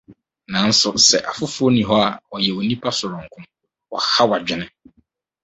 Nanso sɛ afoforo nni hɔ a ɔyɛ onipa soronko — ɔhaw adwene!